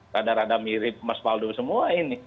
rada rada mirip mas faldo semua ini